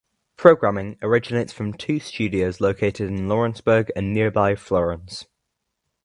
Programming originates from two studios located in Lawrenceburg and nearby Florence.